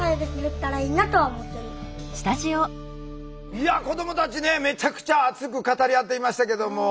いや子どもたちねめちゃくちゃ熱く語り合っていましたけども。